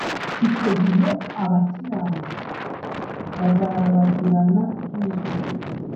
Icyo gihe abakiranutsi bazarabagirana nk’ izuba.